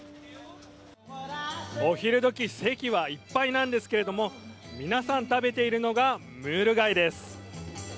お昼時席はいっぱいなんですけれど皆さん、食べているのがムール貝です。